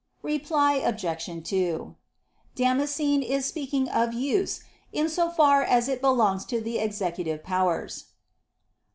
Reply Obj. 2: Damascene is speaking of use in so far as it belongs to the executive powers.